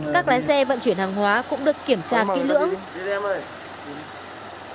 các lái xe vận chuyển hàng hóa cũng được kiểm tra kỹ lưỡng